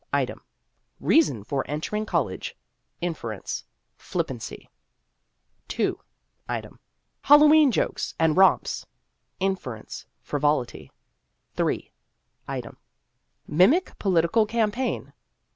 Item : Reason for entering college. Inference : Flippancy. II. Item : Hallowe'en jokes and romps. Inference : Frivolity. III. Item : Mimic political campaign.